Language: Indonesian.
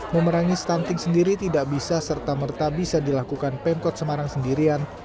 memerangi stunting sendiri tidak bisa serta merta bisa dilakukan pemkot semarang sendirian